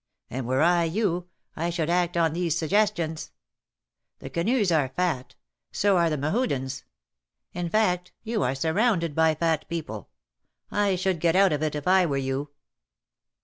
And were I you, I should act on these sugges tions. The Quenus are fat ; so are the Mehudens. In fact, you are surrounded by fat people. I should get out of it, if I were you